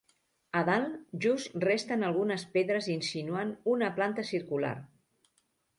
A dalt, just resten algunes pedres insinuant una planta circular.